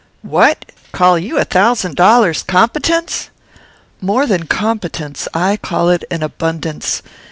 "What! call you a thousand dollars competence?" "More than competence. I call it an abundance.